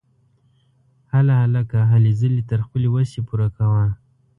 هله هلکه ! هلې ځلې تر خپلې وسې پوره کوه!